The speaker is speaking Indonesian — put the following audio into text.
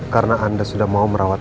karena anda sudah mau merawat rena